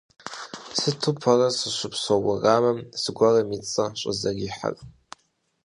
Сыту пӏэрэ сыщыпсэу уэрамым зыгуэрым и цӏэ щӏызэрихьэр?